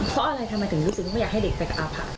เพราะอะไรทำไมถึงรู้สึกว่าไม่อยากให้เด็กไปกับอาผะ